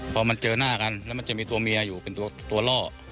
พอมันเจอหน้ากันแล้วมันจะมีตัวเมียอยู่เป็นตัวล่อ